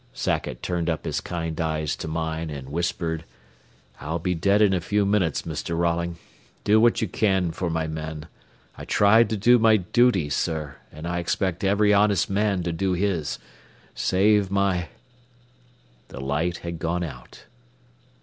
Sackett turned up his kind eyes to mine, and whispered: "I'll be dead in a few minutes, Mr. Rolling. Do what you can for my men. I tried to do my duty, sir, and I expect every honest man to do his. Save my " The light had gone out.